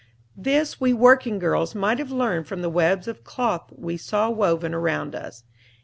This we working girls might have learned from the webs of cloth we saw woven around us.